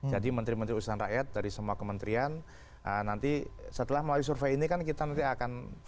jadi menteri menteri usulan rakyat dari semua kementerian nanti setelah melalui survei ini kan kita nanti akan verifikasi dengan tipe